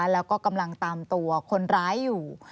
แล้วก็กำลังตามตัวคนร้ายอยู่